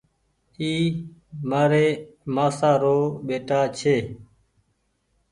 اي مآري مآسآ رو ٻيٽآ ڇي۔